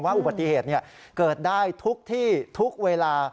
ว่าอุปัติเหตุเนี่ยเกิดได้ทุกที่ทุกเวลา